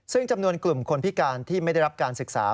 ซึ่งจำนวนกลุ่มคนพิการที่ไม่ได้รับการศึกษา